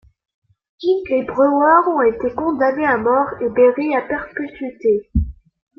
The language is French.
King et Brewer ont été condamnés à mort et Berry à perpétuité.